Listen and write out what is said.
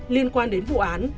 liên quan đến vụ án